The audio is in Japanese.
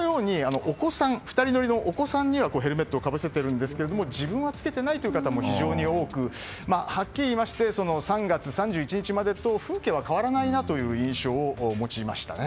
２人乗りのお子さんにはヘルメットをかぶせているんですが自分は着けてないという人も非常に多く、はっきり言いまして３月３１日までと風景は変わらないなという印象を持ちましたね。